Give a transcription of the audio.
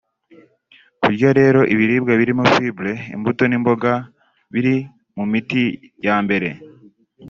Kurya rero ibiribwa birimo fibre; imbuto n’imboga biri mu miti ya mbere